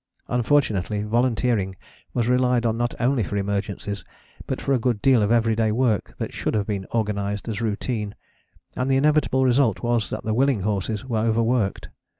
Unfortunately volunteering was relied on not only for emergencies, but for a good deal of everyday work that should have been organised as routine; and the inevitable result was that the willing horses were overworked.